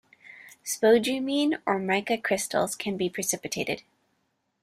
Spodumene or mica crystals can be precipitated.